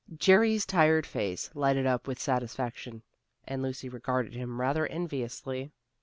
Jerry's tired face lighted up with satisfaction, and Lucy regarded him rather enviously.